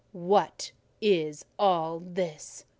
"What is all this?"